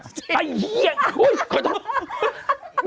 ไอ้เฮียโอ๊ย